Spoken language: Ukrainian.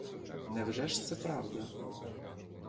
Невже ж це правда?